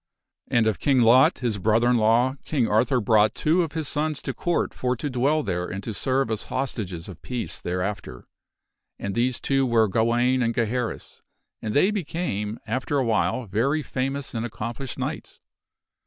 And of King Lot, his brother in law, King Arthur brought two of his sons to Court for to dwell there and to serve as hostages of peace there after. And these two were Gawaine and Geharris and they became, after awhile, very famous and accomplished knights.